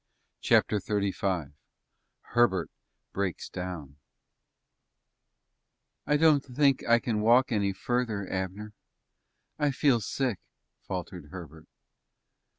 CHAPTER XXXV HERBERT BREAKS DOWN "I don't think I can walk any further, Abner. I feel sick," faltered Herbert.